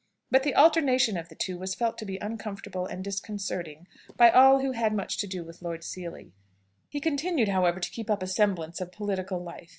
But the alternation of the two was felt to be uncomfortable and disconcerting by all who had much to do with Lord Seely. He continued, however, to keep up a semblance of political life.